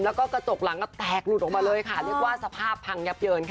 แล้วก็กระจกหลังก็แตกหลุดออกมาเลยค่ะเรียกว่าสภาพพังยับเยินค่ะ